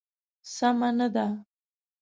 سمه نه ده.